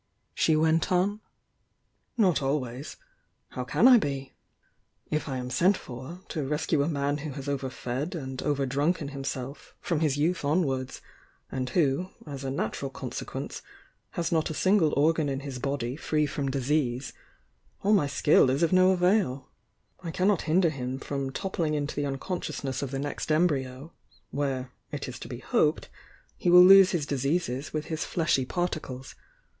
she wCi t on. "Not always. How can I be? If I am sent for to rescue a man who has overfed and over drunken himself from his youth onwards, and who, as a nat ural consequence, has not a single organ in his body free from disease, all my skill is of no avail — I can not hinder him from toppling into the unconscious ness of the next embryo, where, it is to be hoped, he will lose his diseases with his fleshy particles.